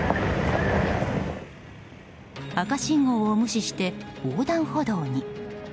赤信号を無視して横断歩道に。